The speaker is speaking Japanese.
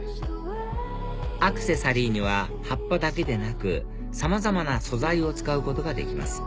アクセサリーには葉っぱだけでなくさまざまな素材を使うことができます